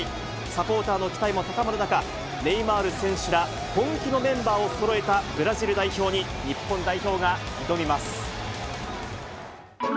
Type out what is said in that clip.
サポーターの期待も高まる中、ネイマール選手ら本気のメンバーをそろえたブラジル代表に、日本代表が挑みます。